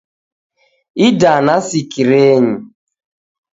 Idana sikirenyi